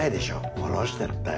下ろしてったよ